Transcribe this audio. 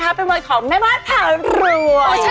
เป็นบริการเป็นบริการของแม่บ้านภาครวย